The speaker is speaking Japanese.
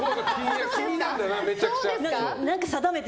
気になるんだよなめちゃくちゃ。